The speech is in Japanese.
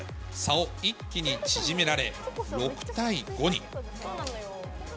差を一気に縮められ、６対５に。